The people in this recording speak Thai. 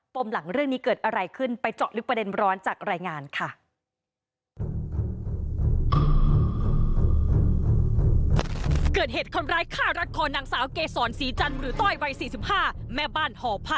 มหลังเรื่องนี้เกิดอะไรขึ้นไปเจาะลึกประเด็นร้อนจากรายงานค่ะ